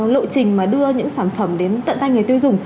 lộ trình mà đưa những sản phẩm đến tận tay người tiêu dùng